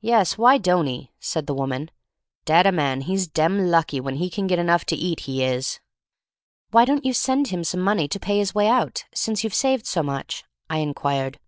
"Yes, w'y don't he?" said the woman. "Dat a man, he's dem lucky w'en he can get enough to eat — he is." "Why don't you send him some money to pay his way out, since you've saved so much?" I inquired.